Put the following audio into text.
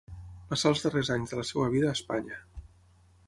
Passà els darrers anys de la seva vida a Espanya.